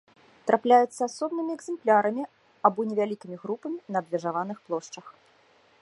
Трапляецца асобнымі экземплярамі або невялікімі групамі на абмежаваных плошчах.